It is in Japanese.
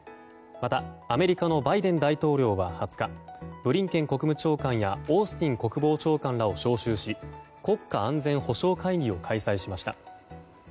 また、アメリカのバイデン大統領は２０日ブリンケン国務長官やオースティン国防長官らを招集し国家安全保障会議を開催しました。